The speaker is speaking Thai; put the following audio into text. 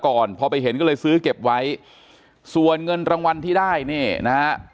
ก่อนพอไปเห็นก็เลยซื้อเก็บไว้ส่วนเงินรางวัลที่ได้นี่นะฮะ